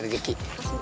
terima kasih ben